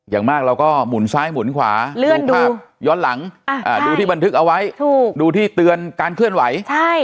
อย่างมากเราก็หมุนซ้ายหมุนขวาดูภาพย้อนหลังดูที่บันทึกเอาไว้ดูที่เตือนการเคลื่อนไหว